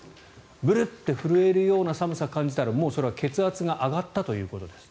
ブルッと震えるような寒さを感じたらそれは血圧が上がったということです。